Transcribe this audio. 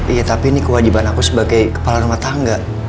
iya tapi ini kewajiban aku sebagai kepala rumah tangga